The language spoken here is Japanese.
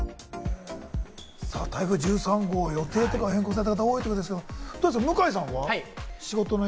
台風１３号、予定変更された方が多いということですが、向井さんは？